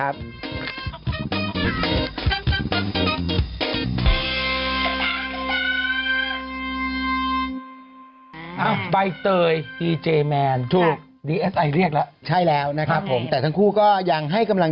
อึกอึกอึกอึกอึกอึกอึก